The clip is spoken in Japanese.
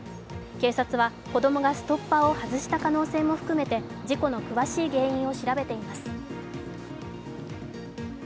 警察は、子供がストッパーを外した可能性も含めて事故の詳しい原因を調べています。